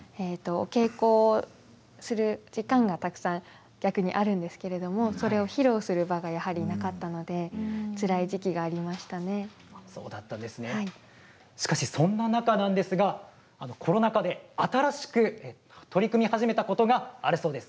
お稽古する時間が逆にたくさんあるんですけれどそれを披露する場がなかったのでそんな中なんですがコロナ禍で新しく取り組み始めたことがあるそうです。